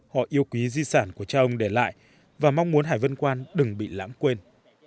họ yêu quý di sản của cha ông để lại và mong muốn hải vân quan đừng bị lãng quên